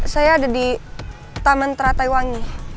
saya ada di taman terataiwangi